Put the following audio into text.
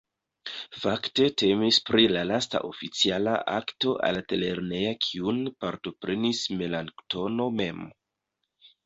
Fakte temis pri la lasta oficiala akto altlerneja kiun partoprenis Melanktono mem.